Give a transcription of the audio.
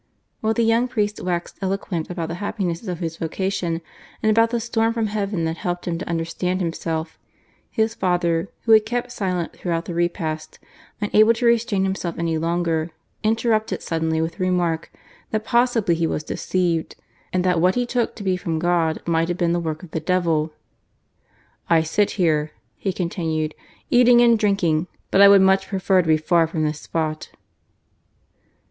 While the young priest waxed eloquent about the happiness of his vocation and about the storm from heaven that helped him to understand himself, his father, who had kept silent throughout the repast, unable to restrain himself any longer interrupted suddenly with the remark that possibly he was deceived, and that what he took to be from God might have been the work of the devil. "I sit here," he continued, "eating and drinking but I would much prefer to be far from this spot."